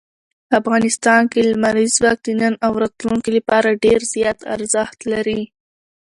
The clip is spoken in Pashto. افغانستان کې لمریز ځواک د نن او راتلونکي لپاره ډېر زیات ارزښت لري.